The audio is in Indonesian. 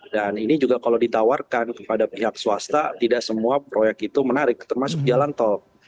dan ini juga kalau ditawarkan kepada pihak swasta tidak semua proyek itu menarik termasuk jalan tol